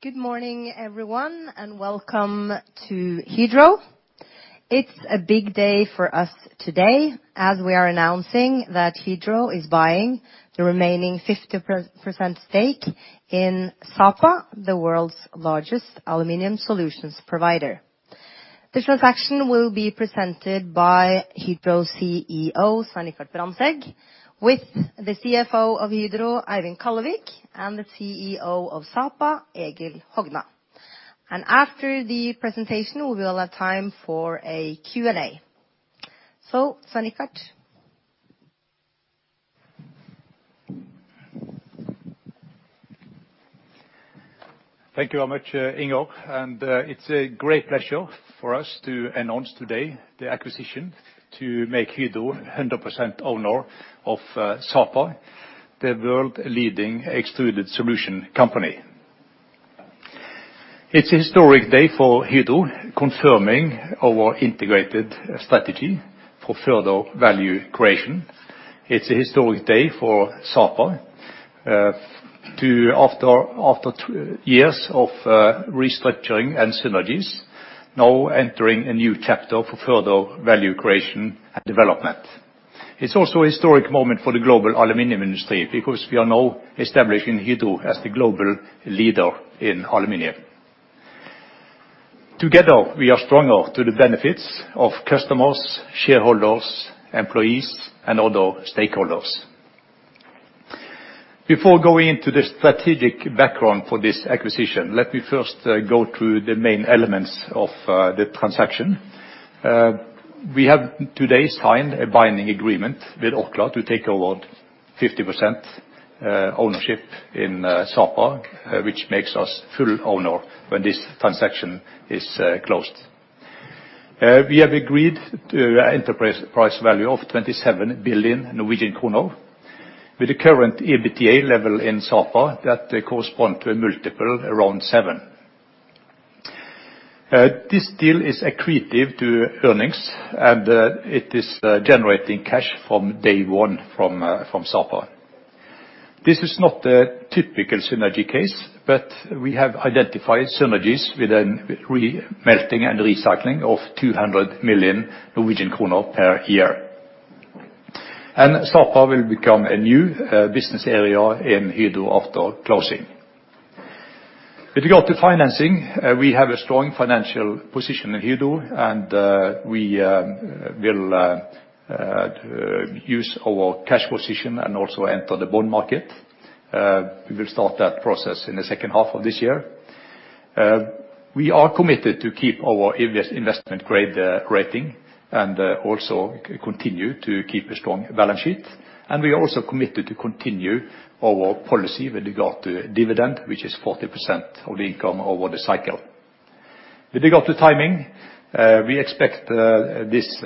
Good morning, everyone, and welcome to Hydro. It's a big day for us today, as we are announcing that Hydro is buying the remaining 50% stake in Sapa, the world's largest aluminum solutions provider. The transaction will be presented by Hydro CEO, Svein Richard Brandtzæg, with the CFO of Hydro, Eivind Kallevik, and the CEO of Sapa, Egil Hogna. After the presentation, we will have time for a Q&A. Svein Richard. Thank you very much, Inger Sethov. It's a great pleasure for us to announce today the acquisition to make Hydro 100% owner of Sapa, the world-leading extruded solutions company. It's a historic day for Hydro, confirming our integrated strategy for further value creation. It's a historic day for Sapa, too, after 20 years of restructuring and synergies, now entering a new chapter for further value creation and development. It's also a historic moment for the global aluminum industry, because we are now establishing Hydro as the global leader in aluminum. Together, we are stronger to the benefits of customers, shareholders, employees, and other stakeholders. Before going into the strategic background for this acquisition, let me first go through the main elements of the transaction. We have today signed a binding agreement with Orkla to take over 50% ownership in Sapa, which makes us full owner when this transaction is closed. We have agreed to an enterprise value of 27 billion Norwegian kroner. With the current EBITDA level in Sapa, that correspond to a multiple around 7. This deal is accretive to earnings, and it is generating cash from day one from Sapa. This is not a typical synergy case, but we have identified synergies within re-melting and recycling of 200 million Norwegian kroner per year. Sapa will become a new business area in Hydro after closing. If you go to financing, we have a strong financial position in Hydro, and we will use our cash position and also enter the bond market. We will start that process in the second half of this year. We are committed to keep our investment-grade rating and also continue to keep a strong balance sheet. We are also committed to continue our policy with regard to dividend, which is 40% of the income over the cycle. With regard to timing, we expect this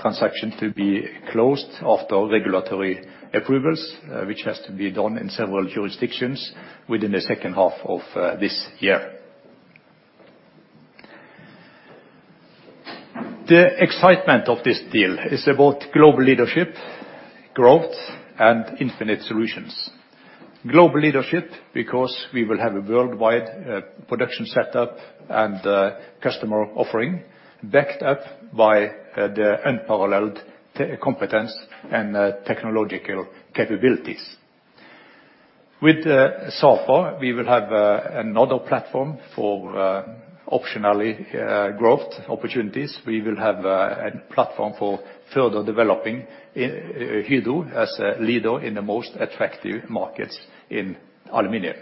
transaction to be closed after regulatory approvals, which has to be done in several jurisdictions within the second half of this year. The excitement of this deal is about global leadership, growth, and infinite solutions. Global leadership, because we will have a worldwide production setup and customer offering backed up by the unparalleled competence and technological capabilities. With Sapa, we will have another platform for optionally growth opportunities. We will have a platform for further developing Hydro as a leader in the most attractive markets in aluminum.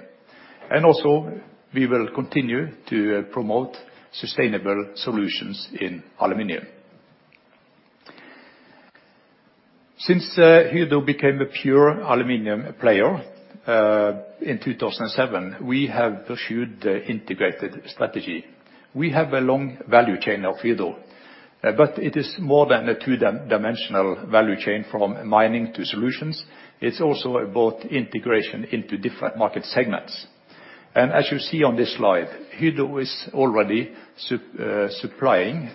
We will continue to promote sustainable solutions in aluminum. Since Hydro became a pure aluminum player in 2007, we have pursued an integrated strategy. We have a long value chain of Hydro, but it is more than a two-dimensional value chain from mining to solutions. It's also about integration into different market segments. As you see on this slide, Hydro is already supplying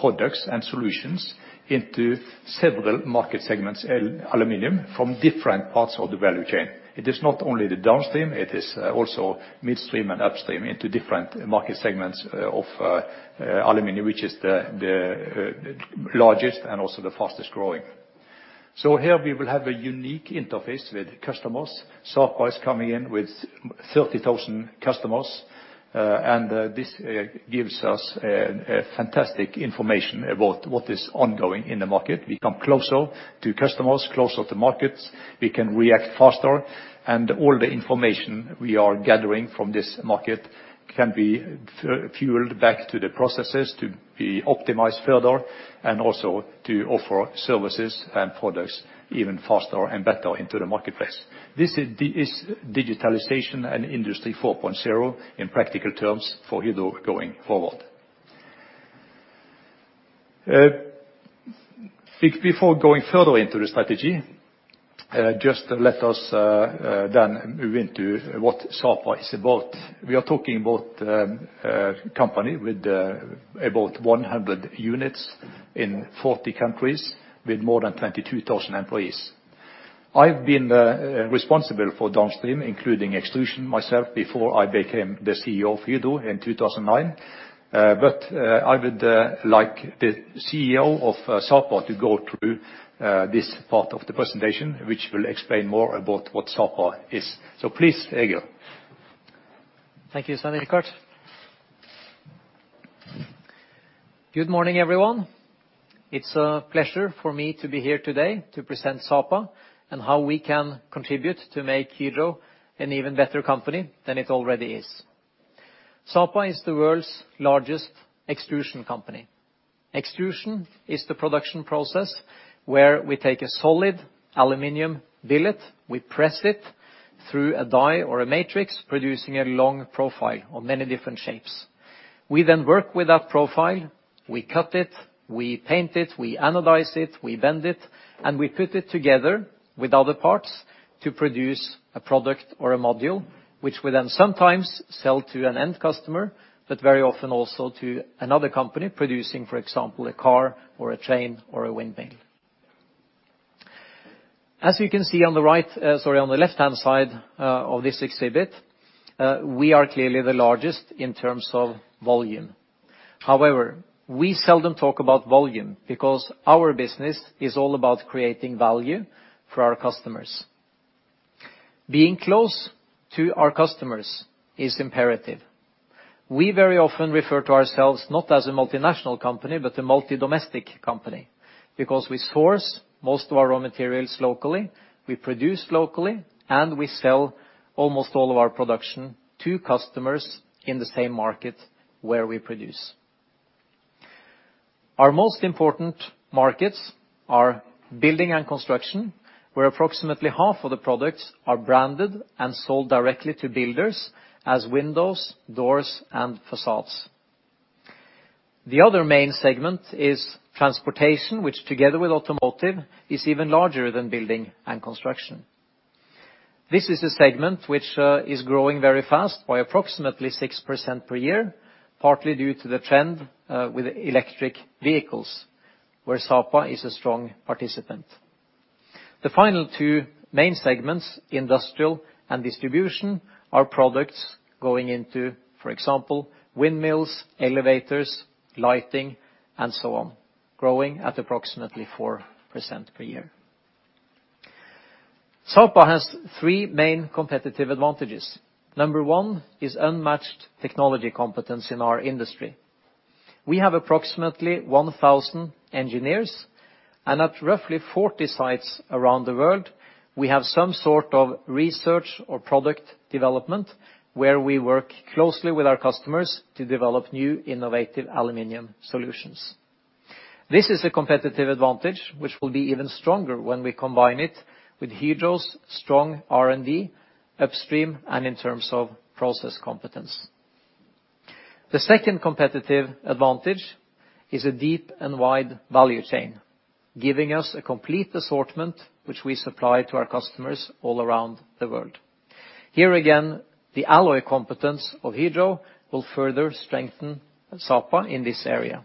products and solutions into several market segments aluminum from different parts of the value chain. It is not only the downstream, it is also midstream and upstream into different market segments of aluminum, which is the largest and also the fastest growing. Here we will have a unique interface with customers. Sapa is coming in with 30,000 customers, and this gives us a fantastic information about what is ongoing in the market. Become closer to customers, closer to markets. We can react faster, and all the information we are gathering from this market can be fueled back to the processes to be optimized further, and also to offer services and products even faster and better into the marketplace. This is digitalization and Industry 4.0 in practical terms for Hydro going forward. Before going further into the strategy, just let us then move into what Sapa is about. We are talking about a company with about 100 units in 40 countries with more than 22,000 employees. I've been responsible for downstream, including extrusion myself before I became the CEO of Hydro in 2009. I would like the CEO of Sapa to go through this part of the presentation, which will explain more about what Sapa is. Please, Egil. Thank you, Svein Richard Brandtzæg. Good morning, everyone. It's a pleasure for me to be here today to present Sapa and how we can contribute to make Hydro an even better company than it already is. Sapa is the world's largest extrusion company. Extrusion is the production process where we take a solid aluminum billet, we press it through a die or a matrix, producing a long profile of many different shapes. We then work with that profile. We cut it, we paint it, we anodize it, we bend it, and we put it together with other parts to produce a product or a module, which we then sometimes sell to an end customer, but very often also to another company producing, for example, a car or a train or a windmill. As you can see on the left-hand side of this exhibit, we are clearly the largest in terms of volume. However, we seldom talk about volume because our business is all about creating value for our customers. Being close to our customers is imperative. We very often refer to ourselves not as a multinational company, but a multi-domestic company, because we source most of our raw materials locally, we produce locally, and we sell almost all of our production to customers in the same market where we produce. Our most important markets are building and construction, where approximately half of the products are branded and sold directly to builders as windows, doors, and facades. The other main segment is transportation, which together with automotive, is even larger than building and construction. This is a segment which is growing very fast by approximately 6% per year, partly due to the trend with electric vehicles, where Sapa is a strong participant. The final two main segments, industrial and distribution, are products going into, for example, windmills, elevators, lighting, and so on, growing at approximately 4% per year. Sapa has three main competitive advantages. Number one is unmatched technology competence in our industry. We have approximately 1,000 engineers, and at roughly 40 sites around the world, we have some sort of research or product development where we work closely with our customers to develop new innovative aluminum solutions. This is a competitive advantage which will be even stronger when we combine it with Hydro's strong R&D upstream and in terms of process competence. The second competitive advantage is a deep and wide value chain, giving us a complete assortment which we supply to our customers all around the world. Here again, the alloy competence of Hydro will further strengthen Sapa in this area.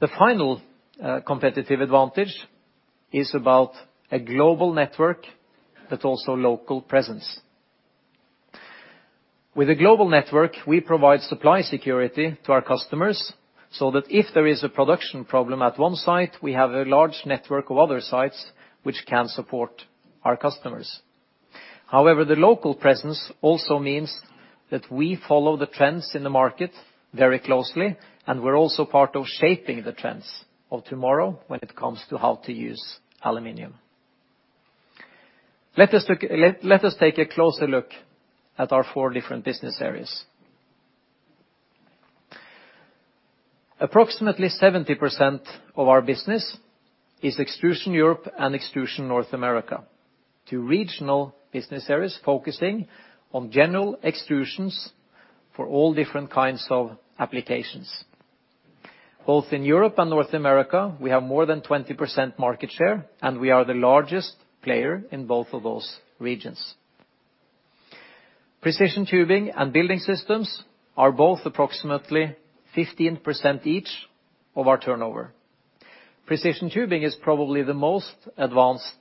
The final competitive advantage is about a global network, but also local presence. With a global network, we provide supply security to our customers so that if there is a production problem at one site, we have a large network of other sites which can support our customers. However, the local presence also means that we follow the trends in the market very closely, and we're also part of shaping the trends of tomorrow when it comes to how to use aluminum. Let us take a closer look at our four different business areas. Approximately 70% of our business is Extrusion Europe and Extrusion North America. Two regional business areas focusing on general extrusions for all different kinds of applications. Both in Europe and North America, we have more than 20% market share, and we are the largest player in both of those regions. Precision Tubing and Building Systems are both approximately 15% each of our turnover. Precision Tubing is probably the most advanced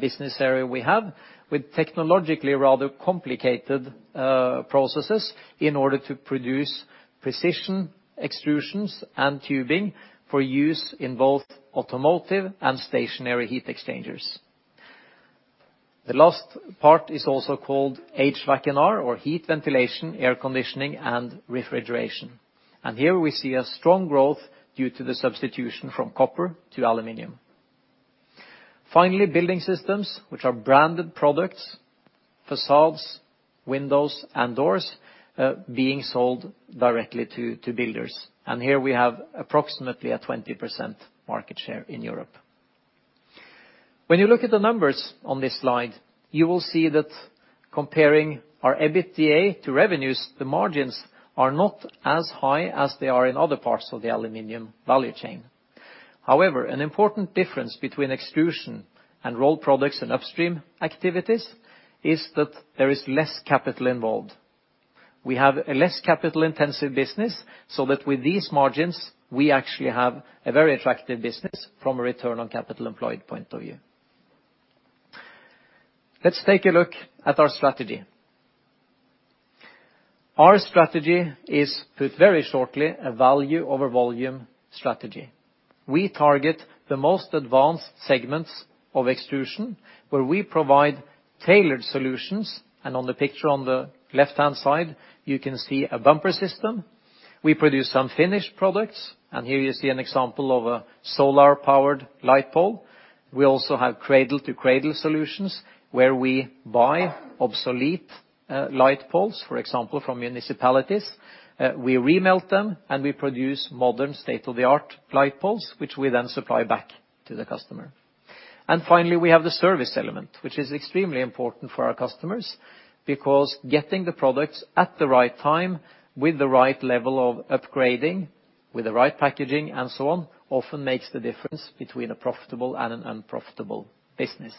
business area we have with technologically rather complicated processes in order to produce precision extrusions and tubing for use in both automotive and stationary heat exchangers. The last part is also called HVAC&R or heat ventilation, air conditioning, and refrigeration. Here we see a strong growth due to the substitution from copper to aluminum. Finally, Building Systems, which are branded products, facades, windows, and doors being sold directly to builders. Here we have approximately a 20% market share in Europe. When you look at the numbers on this slide, you will see that comparing our EBITDA to revenues, the margins are not as high as they are in other parts of the aluminum value chain. However, an important difference between Extrusion and Rolled Products and Upstream activities is that there is less capital involved. We have a less capital intensive business, so that with these margins, we actually have a very attractive business from a return on capital employed point of view. Let's take a look at our strategy. Our strategy is, put very shortly, a value over volume strategy. We target the most advanced segments of extrusion where we provide tailored solutions, and on the picture on the left-hand side, you can see a bumper system. We produce some finished products, and here you see an example of a solar-powered light pole. We also have cradle to cradle solutions, where we buy obsolete light poles, for example, from municipalities, we re-melt them, and we produce modern state-of-the-art light poles, which we then supply back to the customer. Finally, we have the service element, which is extremely important for our customers, because getting the products at the right time, with the right level of upgrading, with the right packaging, and so on, often makes the difference between a profitable and an unprofitable business.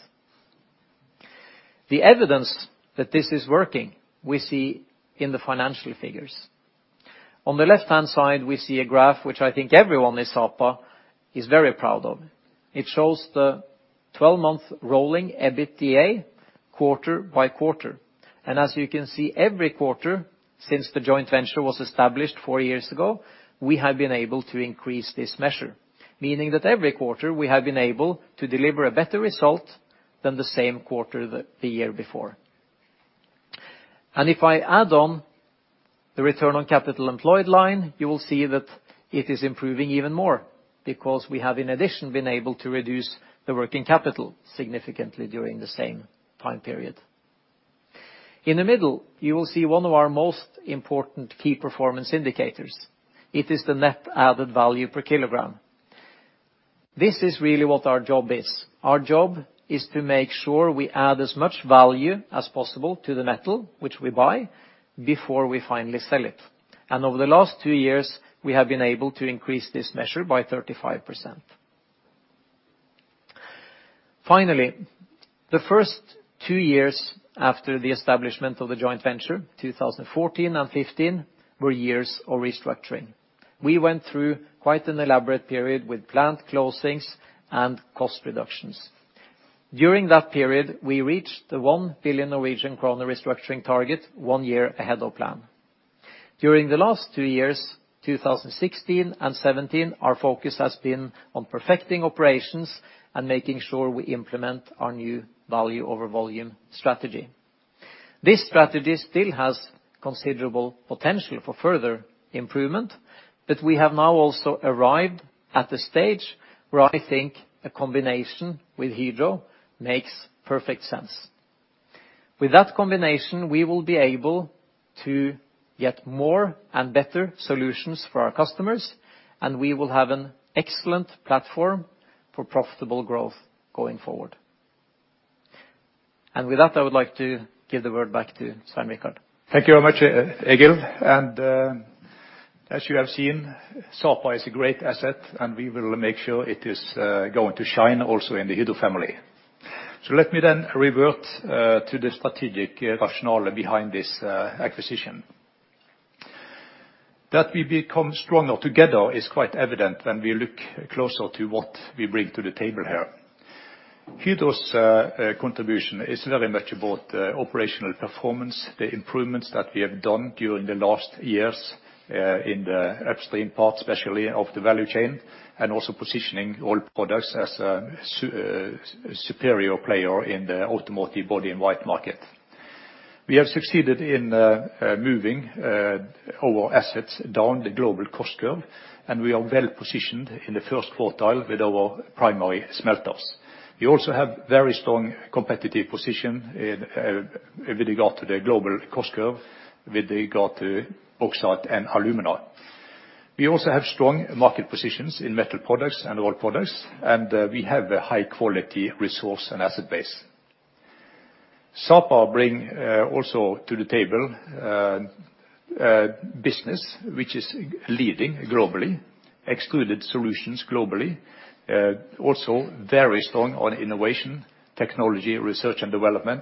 The evidence that this is working, we see in the financial figures. On the left-hand side, we see a graph which I think everyone in Sapa is very proud of. It shows the 12-month rolling EBITDA quarter by quarter. As you can see, every quarter since the joint venture was established four years ago, we have been able to increase this measure. Meaning that every quarter we have been able to deliver a better result than the same quarter the year before. If I add on the return on capital employed line, you will see that it is improving even more, because we have, in addition, been able to reduce the working capital significantly during the same time period. In the middle, you will see one of our most important key performance indicators. It is the net added value per kilogram. This is really what our job is. Our job is to make sure we add as much value as possible to the metal, which we buy, before we finally sell it. Over the last two years, we have been able to increase this measure by 35%. Finally, the first two years after the establishment of the joint venture, 2014 and 2015, were years of restructuring. We went through quite an elaborate period with plant closings and cost reductions. During that period, we reached the 1 billion Norwegian krone restructuring target one year ahead of plan. During the last two years, 2016 and 2017, our focus has been on perfecting operations and making sure we implement our new value over volume strategy. This strategy still has considerable potential for further improvement, but we have now also arrived at the stage where I think a combination with Hydro makes perfect sense. With that combination, we will be able to get more and better solutions for our customers, and we will have an excellent platform for profitable growth going forward. With that, I would like to give the word back to Svein Richard Brandtzæg. Thank you very much, Egil. As you have seen, Sapa is a great asset, and we will make sure it is going to shine also in the Hydro family. Let me then revert to the strategic rationale behind this acquisition. That we become stronger together is quite evident when we look closer to what we bring to the table here. Hydro's contribution is very much about the operational performance, the improvements that we have done during the last years in the upstream part, especially of the value chain, and also positioning rolled products as a superior player in the automotive body-in-white market. We have succeeded in moving our assets down the global cost curve, and we are well-positioned in the first quartile with our primary smelters. We also have very strong competitive position in with regard to the global cost curve, with regard to bauxite and alumina. We also have strong market positions in metal products and rolled products, and we have a high quality resource and asset base. Sapa bring also to the table a business which is leading globally, extruded solutions globally, also very strong on innovation, technology, research and development,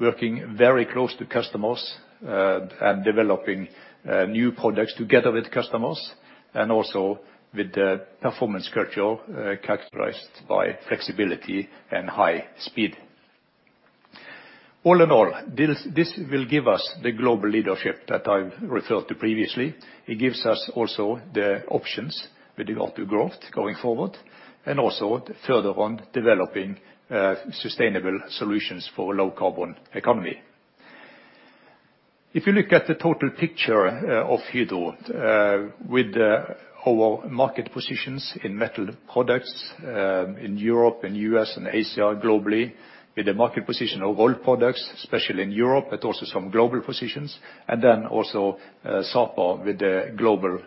working very close to customers, and developing new products together with customers, and also with the performance culture characterized by flexibility and high speed. All in all, this will give us the global leadership that I've referred to previously. It gives us also the options with regard to growth going forward, and also further on developing sustainable solutions for a low carbon economy. If you look at the total picture of Hydro with our market positions in metal products in Europe, in U.S., and Asia, globally, with the market position of rolled products, especially in Europe, but also some global positions, and then also Sapa with the global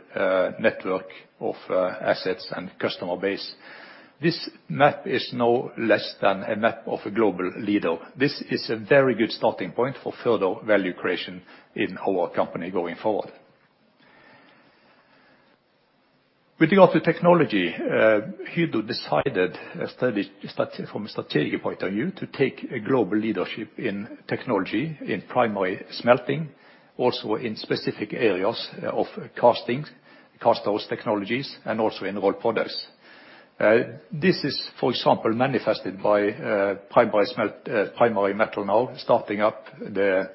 network of assets and customer base, this map is no less than a map of a global leader. This is a very good starting point for further value creation in our company going forward. With regard to technology, Hydro decided from a strategic point of view to take a global leadership in technology, in primary smelting, also in specific areas of castings, cast those technologies, and also involved products. This is, for example, manifested by Primary Metal now starting up the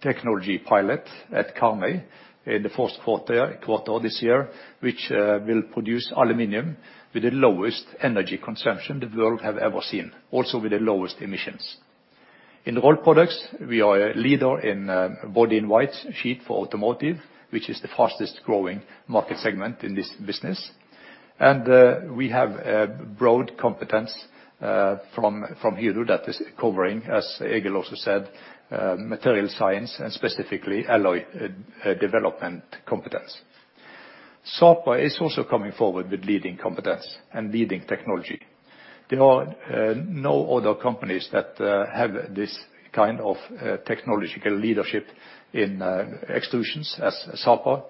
technology pilot at Karmøy in the first quarter this year, which will produce aluminum with the lowest energy consumption the world have ever seen, also with the lowest emissions. In Rolled Products, we are a leader in body in white sheet for automotive, which is the fastest growing market segment in this business. We have broad competence from Hydro that is covering, as Egil also said, material science and specifically alloy development competence. Sapa is also coming forward with leading competence and leading technology. There are no other companies that have this kind of technological leadership in extrusions as Sapa,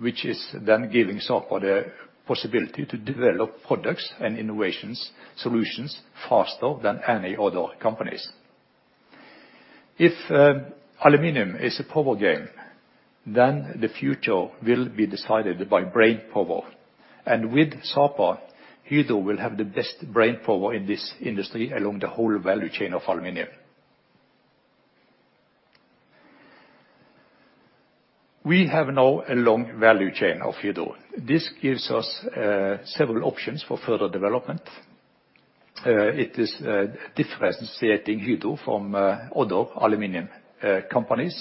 which is then giving Sapa the possibility to develop products and innovations, solutions faster than any other companies. If aluminum is a power game, then the future will be decided by brain power. With Sapa, Hydro will have the best brain power in this industry along the whole value chain of aluminum. We have now a long value chain of Hydro. This gives us several options for further development. It is differentiating Hydro from other aluminum companies.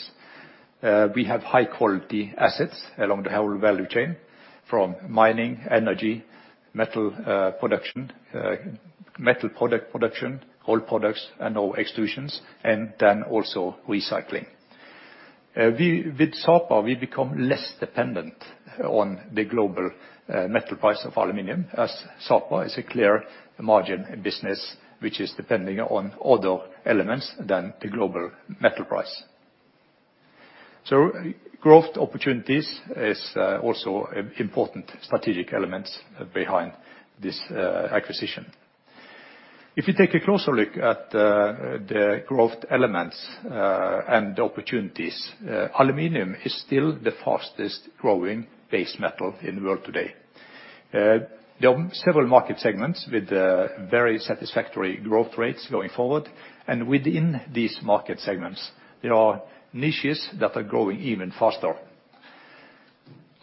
We have high quality assets along the whole value chain, from mining, energy, metal production, metal product production, rolled products, and now extrusions, and then also recycling. With Sapa, we become less dependent on the global metal price of aluminum, as Sapa is a clear margin business, which is depending on other elements than the global metal price. Growth opportunities is also important strategic elements behind this acquisition. If you take a closer look at the growth elements and opportunities, aluminum is still the fastest growing base metal in the world today. There are several market segments with very satisfactory growth rates going forward, and within these market segments, there are niches that are growing even faster.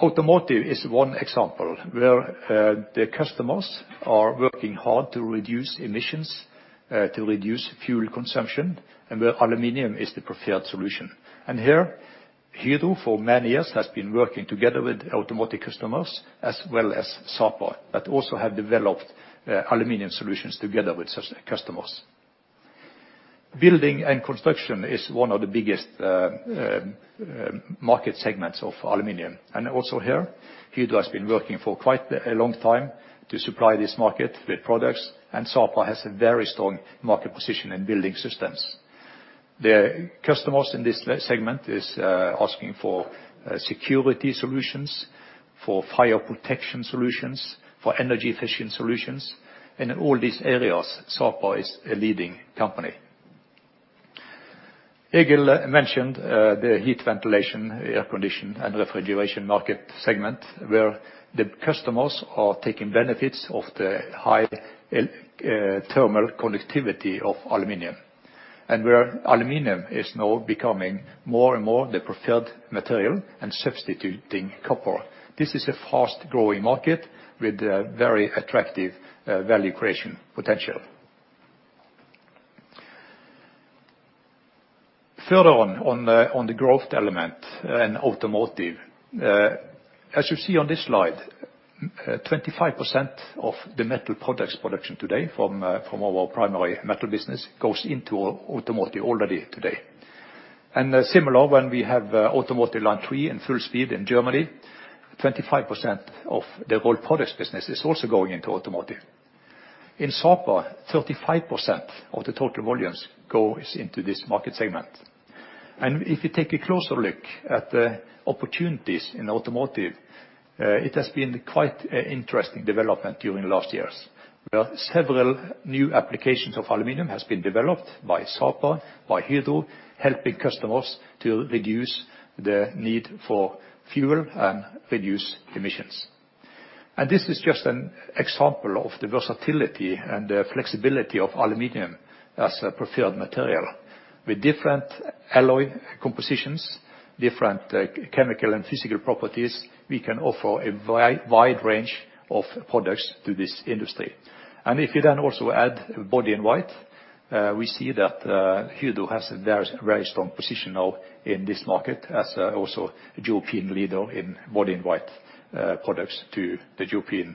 Automotive is one example where the customers are working hard to reduce emissions, to reduce fuel consumption, and where aluminum is the preferred solution. Here, Hydro for many years has been working together with automotive customers as well as Sapa, that also have developed aluminum solutions together with such customers. Building and construction is one of the biggest market segments of aluminum. Also here, Hydro has been working for quite a long time to supply this market with products, and Sapa has a very strong market position in building systems. The customers in this segment is asking for security solutions, for fire protection solutions, for energy efficient solutions, and in all these areas, Sapa is a leading company. Egil mentioned the heating, ventilation, air conditioning, and refrigeration market segment, where the customers are taking benefits of the high thermal conductivity of aluminum. Where aluminum is now becoming more and more the preferred material and substituting copper. This is a fast-growing market with a very attractive value creation potential. Further on the growth element in automotive, as you see on this slide, 25% of the Primary Metal production today from our Primary Metal business goes into automotive already today. Similar, when we have automotive line three in full speed in Germany, 25% of the rolled products business is also going into automotive. In Sapa, 35% of the total volumes goes into this market segment. If you take a closer look at the opportunities in automotive, it has been quite an interesting development during the last years, where several new applications of aluminum has been developed by Sapa, by Hydro, helping customers to reduce the need for fuel and reduce emissions. This is just an example of the versatility and the flexibility of aluminum as a preferred material. With different alloy compositions, different chemical and physical properties, we can offer a wide range of products to this industry. If you then also add body in white, we see that Hydro has a very, very strong position now in this market as also a European leader in body in white products to the European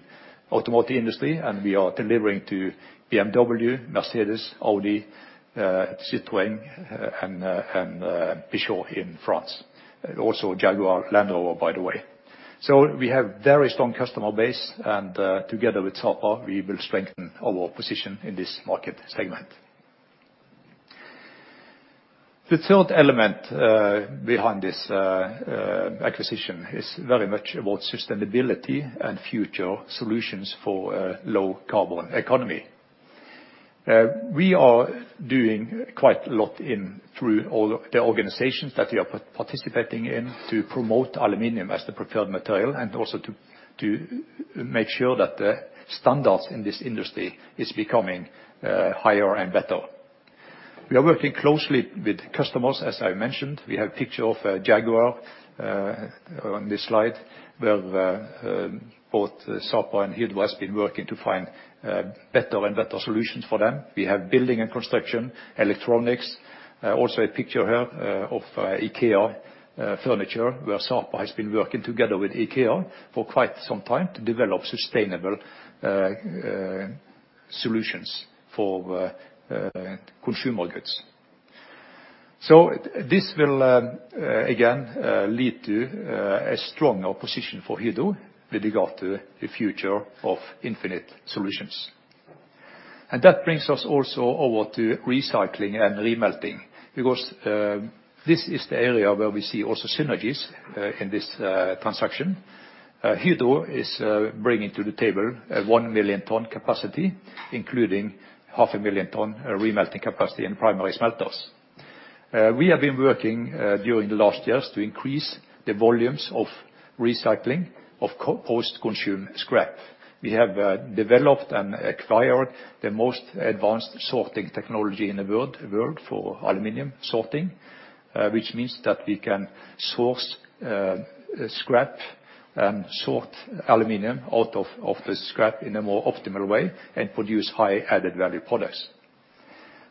automotive industry, and we are delivering to BMW, Mercedes, Audi, Citroën, and Peugeot in France. Also Jaguar Land Rover, by the way. We have very strong customer base, and together with Sapa, we will strengthen our position in this market segment. The third element behind this acquisition is very much about sustainability and future solutions for a low carbon economy. We are doing quite a lot through all the organizations that we are participating in to promote aluminum as the preferred material, and also to make sure that the standards in this industry is becoming higher and better. We are working closely with customers, as I mentioned. We have a picture of a Jaguar on this slide, where both Sapa and Hydro has been working to find better and better solutions for them. We have building and construction, electronics, also a picture here of IKEA furniture, where Sapa has been working together with IKEA for quite some time to develop sustainable solutions for consumer goods. This will again lead to a stronger position for Hydro with regard to the future of innovative solutions. That brings us also over to recycling and re-melting, because this is the area where we see also synergies in this transaction. Hydro is bringing to the table a 1 million ton capacity, including 500,000 ton re-melting capacity in primary smelters. We have been working during the last years to increase the volumes of recycling, of post-consumer scrap. We have developed and acquired the most advanced sorting technology in the world for aluminum sorting, which means that we can source scrap and sort aluminum out of the scrap in a more optimal way and produce high added value products.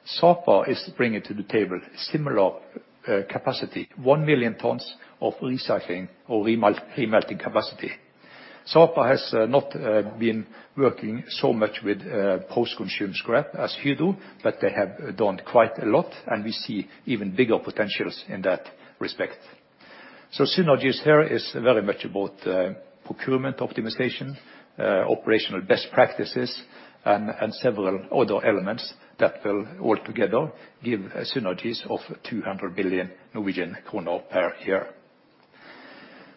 Sapa is bringing to the table similar capacity, 1 million tons of recycling or re-melting capacity. Sapa has not been working so much with post-consumer scrap as Hydro, but they have done quite a lot, and we see even bigger potentials in that respect. Synergies here is very much about procurement optimization, operational best practices and several other elements that will all together give synergies of 200 million Norwegian kroner per year.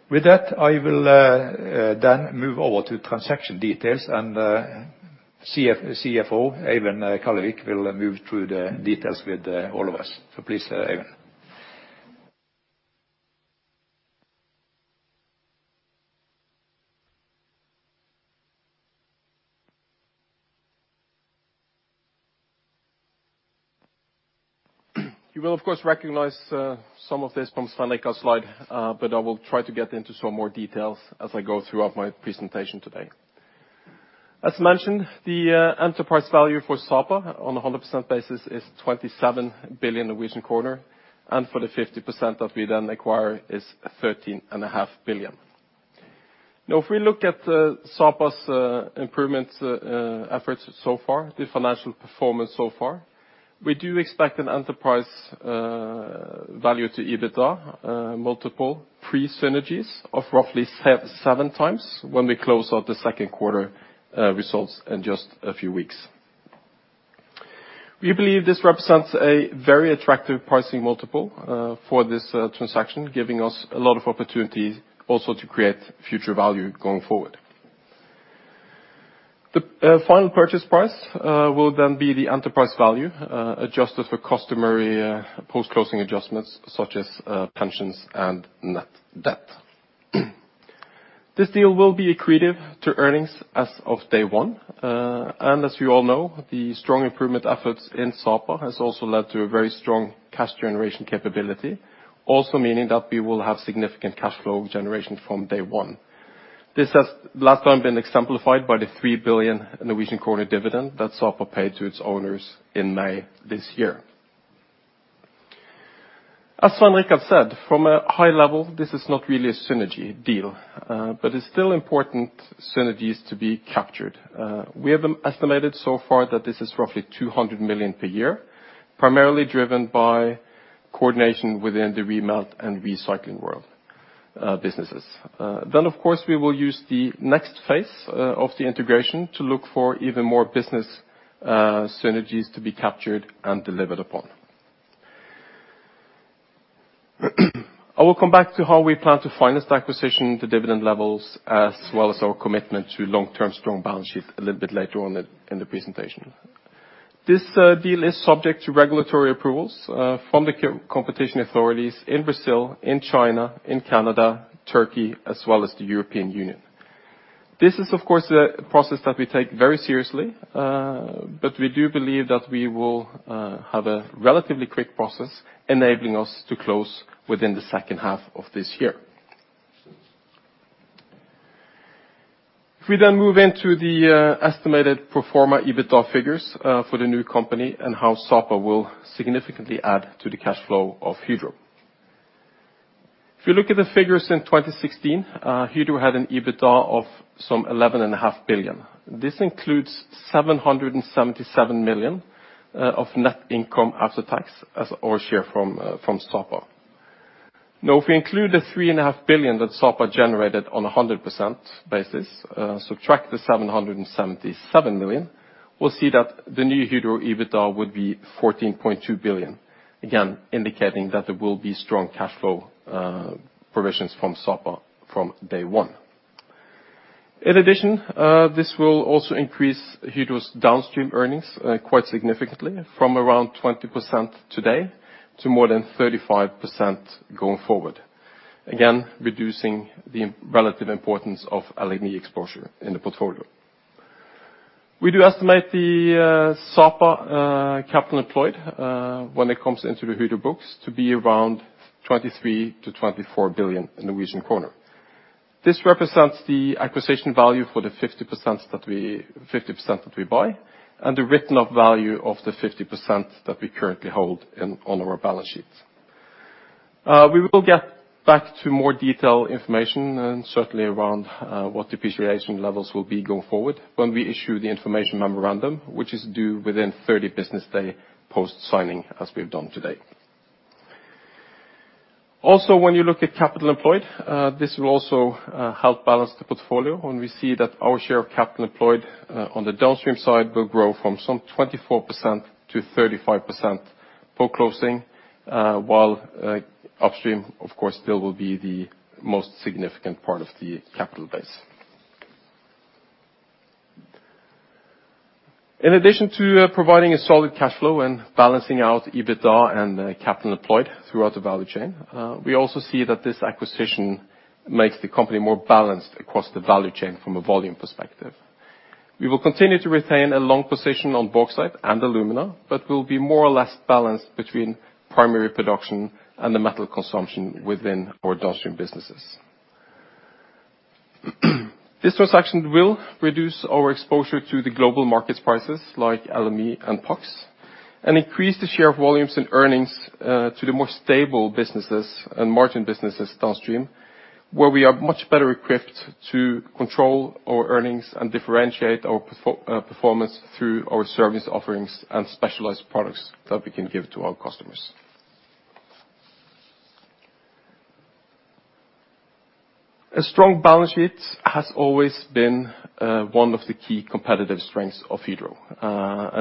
With that, I will then move over to transaction details, and our CFO, Eivind Kallevik, will move through the details with all of us. Please, Eivind. You will, of course, recognize some of this from Svein Richard's slide, but I will try to get into some more details as I go throughout my presentation today. As mentioned, the enterprise value for Sapa on a 100% basis is 27 billion, and for the 50% that we then acquire is 13.5 billion. Now, if we look at Sapa's improvements efforts so far, the financial performance so far, we do expect an enterprise value to EBITDA multiple pre-synergies of roughly 7x when we close out the second quarter results in just a few weeks. We believe this represents a very attractive pricing multiple for this transaction, giving us a lot of opportunity also to create future value going forward. The final purchase price will then be the enterprise value adjusted for customary post-closing adjustments such as pensions and net debt. This deal will be accretive to earnings as of day one. As you all know, the strong improvement efforts in Sapa has also led to a very strong cash generation capability, also meaning that we will have significant cash flow generation from day one. This has last time been exemplified by the 3 billion dividend that Sapa paid to its owners in May this year. As Svein Richard Brandtzæg has said, from a high level, this is not really a synergy deal, but it's still important synergies to be captured. We have estimated so far that this is roughly 200 million per year, primarily driven by coordination within the re-melt and recycling worldwide businesses. Of course, we will use the next phase of the integration to look for even more business synergies to be captured and delivered upon. I will come back to how we plan to finance the acquisition, the dividend levels, as well as our commitment to long-term strong balance sheet a little bit later on in the presentation. This deal is subject to regulatory approvals from the competition authorities in Brazil, in China, in Canada, Turkey, as well as the European Union. This is, of course, a process that we take very seriously, but we do believe that we will have a relatively quick process enabling us to close within the second half of this year. If we then move into the estimated pro forma EBITDA figures for the new company and how Sapa will significantly add to the cash flow of Hydro. If you look at the figures in 2016, Hydro had an EBITDA of some 11.5 billion. This includes 777 million of net income after tax as our share from Sapa. Now if we include the 3.5 billion that Sapa generated on 100% basis, subtract the 777 million, we'll see that the new Hydro EBITDA would be 14.2 billion, again, indicating that there will be strong cash flow provisions from Sapa from day one. In addition, this will also increase Hydro's downstream earnings quite significantly from around 20% today to more than 35% going forward, again, reducing the relative importance of aluminum exposure in the portfolio. We do estimate the Sapa capital employed when it comes into the Hydro books to be around 23-24 billion Norwegian kroner. This represents the acquisition value for the 50% that we buy and the written-up value of the 50% that we currently hold on our balance sheets. We will get back to more detailed information and certainly around what depreciation levels will be going forward when we issue the information memorandum, which is due within 30 business days post-signing as we have done today. Also, when you look at capital employed, this will also help balance the portfolio when we see that our share of capital employed on the downstream side will grow from some 24%-35% for closing, while upstream, of course, still will be the most significant part of the capital base. In addition to providing a solid cash flow and balancing out EBITDA and capital employed throughout the value chain, we also see that this acquisition makes the company more balanced across the value chain from a volume perspective. We will continue to retain a long position on bauxite and alumina, but we'll be more or less balanced between primary production and the metal consumption within our downstream businesses. This transaction will reduce our exposure to the global markets prices like LME and PAX and increase the share of volumes in earnings to the more stable businesses and margin businesses downstream, where we are much better equipped to control our earnings and differentiate our performance through our service offerings and specialized products that we can give to our customers. A strong balance sheet has always been one of the key competitive strengths of Hydro.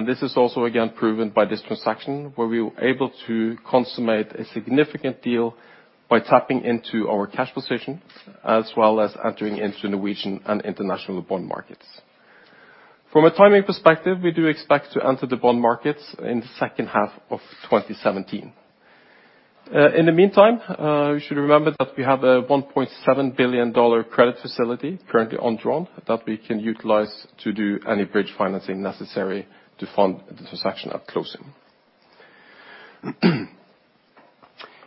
This is also again proven by this transaction, where we were able to consummate a significant deal by tapping into our cash position as well as entering into Norwegian and international bond markets. From a timing perspective, we do expect to enter the bond markets in the second half of 2017. In the meantime, you should remember that we have a $1.7 billion credit facility currently undrawn that we can utilize to do any bridge financing necessary to fund the transaction at closing.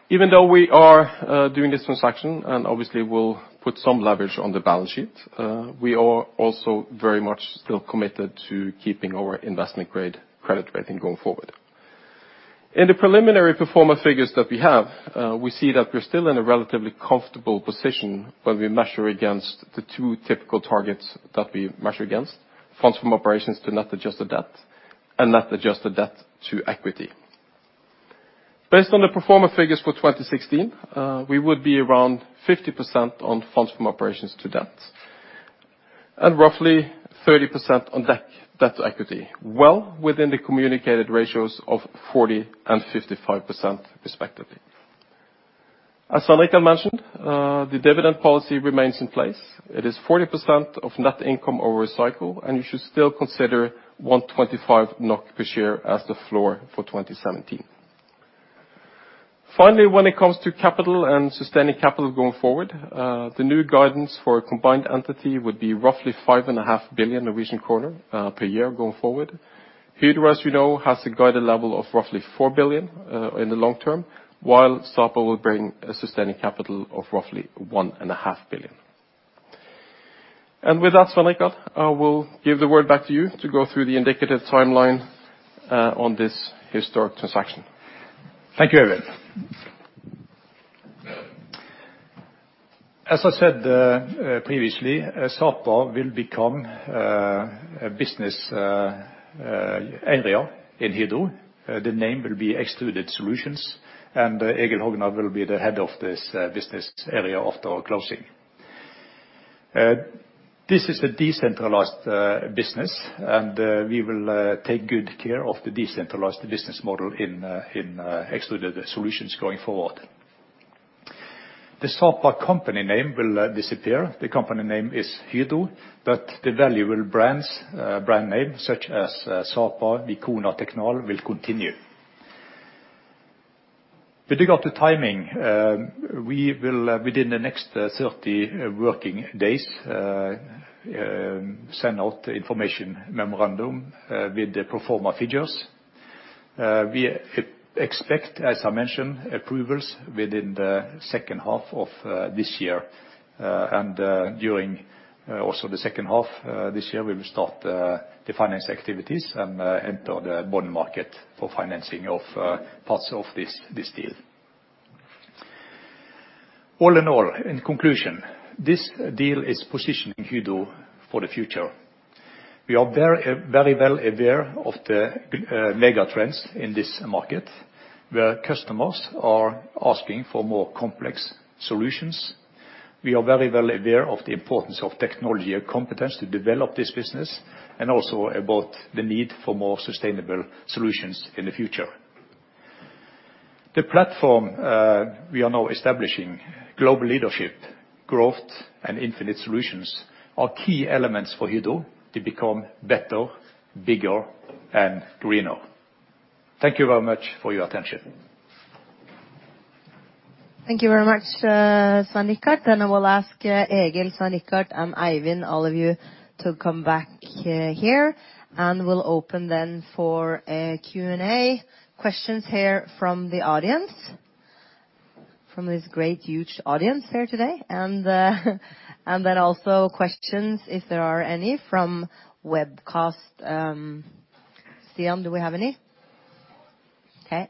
Even though we are doing this transaction, and obviously we'll put some leverage on the balance sheet, we are also very much still committed to keeping our investment-grade credit rating going forward. In the preliminary pro forma figures that we have, we see that we're still in a relatively comfortable position when we measure against the two typical targets that we measure against, funds from operations to net adjusted debt and net adjusted debt to equity. Based on the pro forma figures for 2016, we would be around 50% on funds from operations to debt and roughly 30% on debt to equity, well within the communicated ratios of 40% and 55% respectively. As Svein Richard mentioned, the dividend policy remains in place. It is 40% of net income over a cycle, and you should still consider 1.25 NOK per share as the floor for 2017. Finally, when it comes to capital and sustaining capital going forward, the new guidance for a combined entity would be roughly 5.5 billion Norwegian kroner per year going forward. Hydro, as you know, has a guided level of roughly 4 billion NOK in the long term, while Sapa will bring a sustaining capital of roughly 1.5 billion NOK. With that, Svein Richard Brandtzæg, I will give the word back to you to go through the indicative timeline on this historic transaction. Thank you, Eivind. As I said, previously, Sapa will become a business area in Hydro. The name will be Extruded Solutions, and Egil Hogna will be the head of this business area after our closing. This is a decentralized business, and we will take good care of the decentralized business model in Extruded Solutions going forward. The Sapa company name will disappear. The company name is Hydro, but the valuable brands, brand name such as Sapa, WICONA, TECHNAL will continue. Speaking of the timing, we will within the next 30 working days send out the information memorandum with the pro forma figures. We expect, as I mentioned, approvals within the second half of this year. During also the second half this year, we will start the financing activities and enter the bond market for financing of parts of this deal. All in all, in conclusion, this deal is positioning Hydro for the future. We are very, very well aware of the mega trends in this market, where customers are asking for more complex solutions. We are very well aware of the importance of technology and competence to develop this business, and also about the need for more sustainable solutions in the future. The platform we are now establishing, global leadership, growth, and innovative solutions are key elements for Hydro to become better, bigger and greener. Thank you very much for your attention. Thank you very much, Svein Richard Brandtzæg. I will ask Egil, Svein, and Eivind, all of you to come back here, and we'll open then for a Q&A. Questions here from the audience, from this great, huge audience here today. Then also questions, if there are any, from webcast. Siam, do we have any? Okay.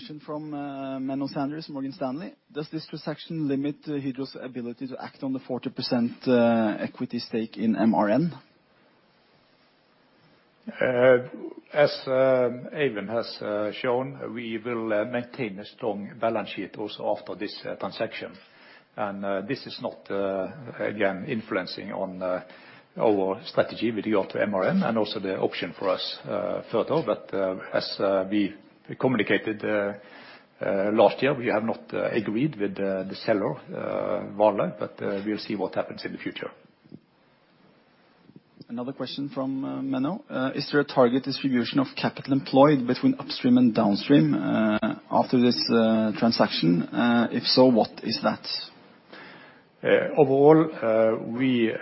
Question from Menno Sanderse, Morgan Stanley. Does this transaction limit Hydro's ability to act on the 40% equity stake in MRN? As Eivind has shown, we will maintain a strong balance sheet also after this transaction. This is not again influencing on our strategy with regard to MRN, and also the option for us further. As we communicated last year, we have not agreed with the seller, Vale, but we'll see what happens in the future. Another question from Menno. Is there a target distribution of capital employed between upstream and downstream after this transaction? If so, what is that? Overall, we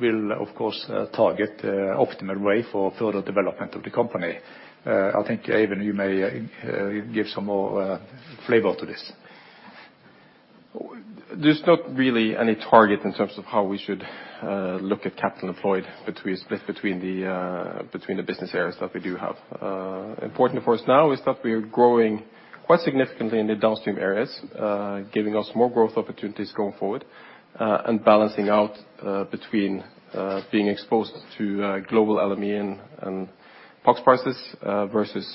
will of course target the optimal way for further development of the company. I think, Eivind, you may give some more flavor to this. There's not really any target in terms of how we should look at capital employed between the business areas that we do have. Important for us now is that we are growing quite significantly in the downstream areas, giving us more growth opportunities going forward, and balancing out between being exposed to global LME and FX prices versus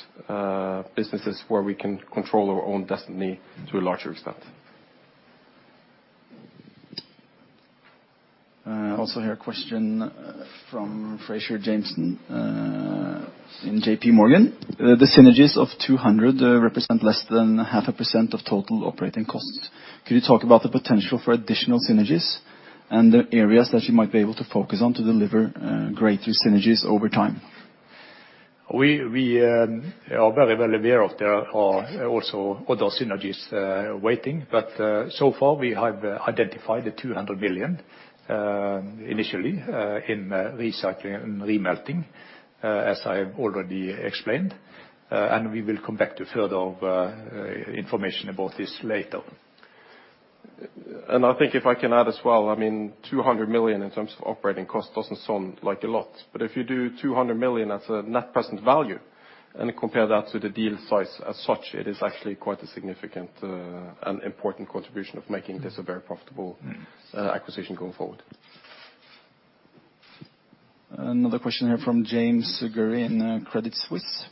businesses where we can control our own destiny to a larger extent. I also have a question from Fraser Jamieson in JPMorgan. The synergies of 200 represent less than 0.5% of total operating costs. Could you talk about the potential for additional synergies and the areas that you might be able to focus on to deliver greater synergies over time? We are very well aware of there are also other synergies waiting. So far we have identified the 200 million initially in recycling and remelting, as I have already explained, and we will come back to further information about this later. I think if I can add as well, I mean, 200 million in terms of operating costs doesn't sound like a lot. If you do 200 million as a net present value and compare that to the deal size as such, it is actually quite a significant and important contribution of making this a very profitable Acquisition going forward. Another question here from James Gurry in Credit Suisse.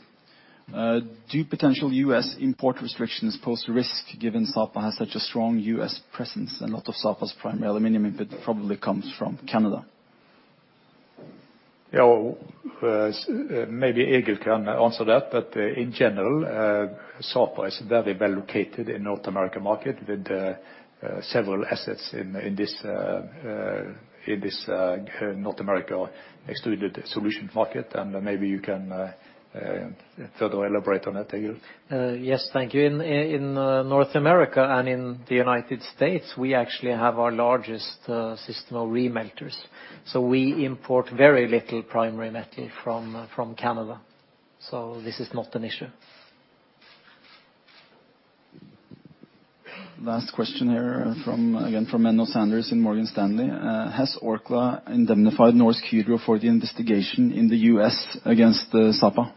Do potential U.S. import restrictions pose risk given Sapa has such a strong U.S. presence and a lot of Sapa's primary aluminum input probably comes from Canada? Yeah. Maybe Egil can answer that. In general, Sapa is very well located in North America market with several assets in this North America Extruded Solutions market, and maybe you can further elaborate on that, Egil. Yes. Thank you. In North America and in the United States, we actually have our largest system of remelters. We import very little primary metal from Canada. This is not an issue. Last question here from, again, from Menno Sanderse in Morgan Stanley. Has Orkla indemnified Norsk Hydro for the investigation in the U.S. against Sapa?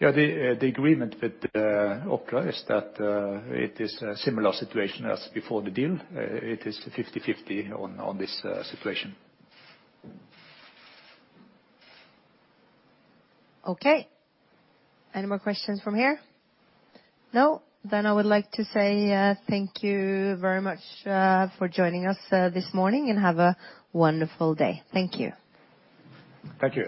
Yeah. The agreement with Orkla is that it is a similar situation as before the deal. It is 50/50 on this situation. Okay. Any more questions from here? No? Then I would like to say, thank you very much, for joining us, this morning, and have a wonderful day. Thank you. Thank you.